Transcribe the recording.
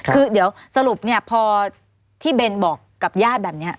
คือเดี๋ยวสรุปเนี่ยพอที่เบนบอกกับญาติแบบนี้